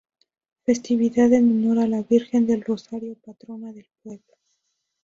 Festividad en honor a la Virgen del Rosario, patrona del pueblo.